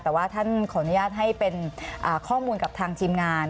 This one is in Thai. แต่ว่าท่านขออนุญาตให้เป็นข้อมูลกับทางทีมงาน